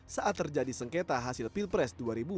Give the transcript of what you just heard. saat terjadi sengketa hasil pilpres dua ribu empat belas